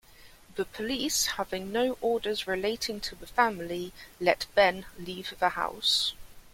The police, having no orders relating to the family, let Ben leave the house.